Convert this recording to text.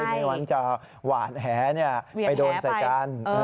ไม่ว่าจะหวานแหไปโดนใส่กัน